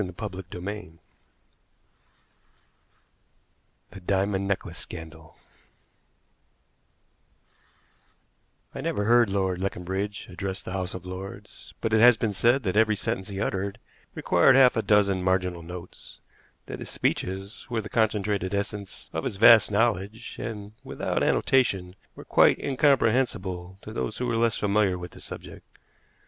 CHAPTER X THE DIAMOND NECKLACE SCANDAL I never heard Lord Leconbridge address the House of Lords, but it has been said that every sentence he uttered required half a dozen marginal notes, that his speeches were the concentrated essence of his vast knowledge, and, without annotation, were quite incomprehensible to those who were less familiar with the subject.